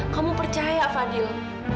kamu percaya fadil